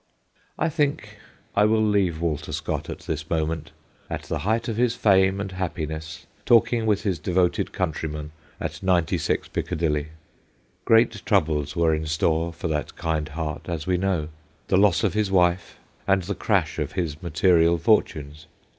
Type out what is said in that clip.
I think I will leave Walter Scott at this moment, at the height of his fame and happiness, talking with his devoted country man at 96 Piccadilly. Great troubles were in store for that kind heart, as we know : the loss of his wife, and the crash of his material fortunes.